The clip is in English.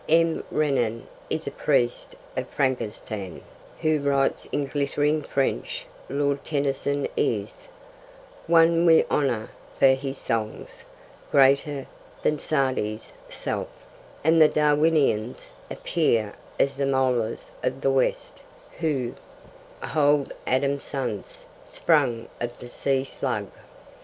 M. Renan is 'a priest of Frangestan,' who writes in 'glittering French'; Lord Tennyson is One we honour for his songs Greater than Sa'di's self and the Darwinians appear as the 'Mollahs of the West,' who hold Adam's sons Sprung of the sea slug.